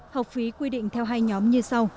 học phí quy định theo hai nhóm như sau